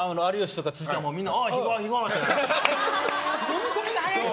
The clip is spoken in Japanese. のみ込みが早いね。